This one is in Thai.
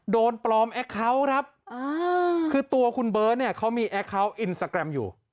โดนปลอมแอคเคาน์ครับคือตัวคุณเบิร์ตเนี่ยเขามีแอคเคาน์อินสตาแกรมอยู่